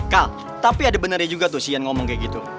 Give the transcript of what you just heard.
kal tapi ada beneran juga tuh si yan ngomong kayak gitu